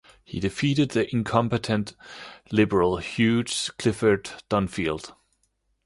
He defeated the incumbent Liberal Hugh Clifford Dunfield.